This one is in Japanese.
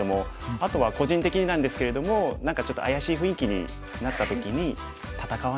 あとは個人的になんですけれども何かちょっと怪しい雰囲気になった時に戦わないことですね。